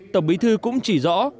tổng bí thư cũng chỉ rõ